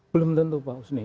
belum tentu pak usni